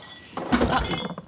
あっ。